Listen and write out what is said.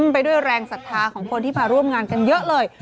ไปด้วยแรงศรัทธาของคนที่มาร่วมงานกันเยอะเลย